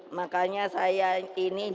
makanya saya ini jadi perempuan